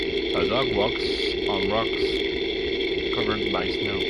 A dog walks on rocks covered by snow